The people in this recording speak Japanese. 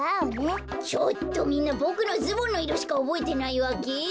みんなボクのズボンのいろしかおぼえてないわけ！？